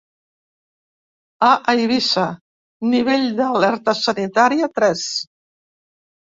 A Eivissa, nivell d’alerta sanitària tres.